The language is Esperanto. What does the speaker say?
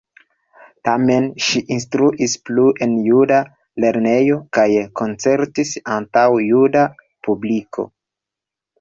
Tamen ŝi instruis plu en juda lernejo kaj koncertis antaŭ juda publiko.